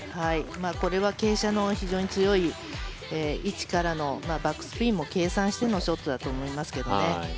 これは傾斜の非常に強い位置からのバックスピンも計算してのショットだと思いますけどね。